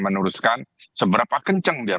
meneruskan seberapa kenceng dia